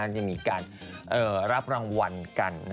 จะมีการรับรางวัลกัน